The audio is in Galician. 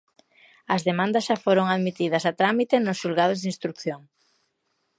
As demandas xa foron admitidas a trámite nos xulgados de instrución.